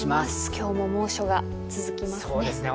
今日も猛暑が続きますね。